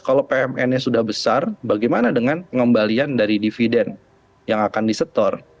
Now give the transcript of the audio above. kalau pmn nya sudah besar bagaimana dengan pengembalian dari dividen yang akan disetor